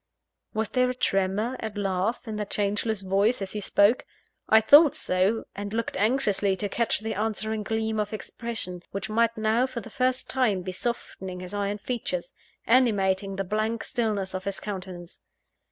Was there a tremor at last in that changeless voice, as he spoke? I thought so; and looked anxiously to catch the answering gleam of expression, which might now, for the first time, be softening his iron features, animating the blank stillness of his countenance.